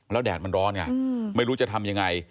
แล้วแดดมันร้อนไงไม่รู้จะทำยังไง